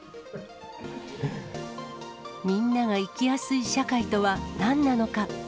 みんなが生きやすい社会とはなんなのか。